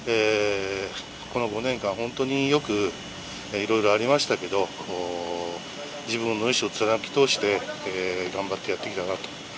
この５年間、本当によくいろいろありましたけど自分の意思を貫き通して頑張ってやってきたなと。